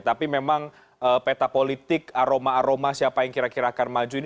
tapi memang peta politik aroma aroma siapa yang kira kira akan maju ini